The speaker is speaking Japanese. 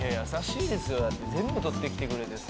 全部取ってきてくれてさ。